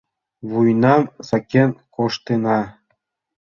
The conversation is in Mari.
Вуйнам сакен коштына.